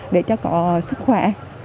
để cho có sức khỏe